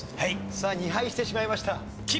さあ２敗してしまいました。